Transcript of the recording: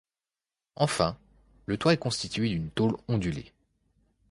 Enfin le toit est constitué de tôle ondulée.